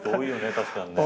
確かにね。